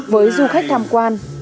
với du khách tham quan